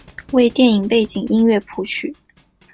为电影背景音乐谱曲。